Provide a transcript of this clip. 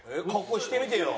してみてよ。